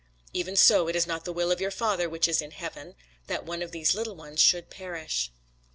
Even so it is not the will of your Father which is in heaven, that one of these little ones should perish.